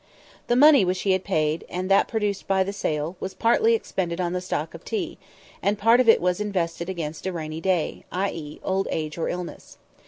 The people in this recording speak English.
The money which he had paid, and that produced by the sale, was partly expended in the stock of tea, and part of it was invested against a rainy day—i.e. old age or illness.